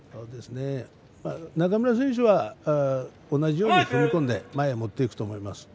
中村選手は同じように踏み込んで前に持っていくと思います。